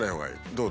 どう？